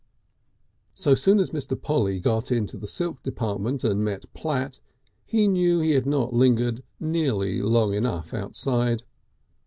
So soon as Mr. Polly got into the silk department and met Platt he knew he had not lingered nearly long enough outside.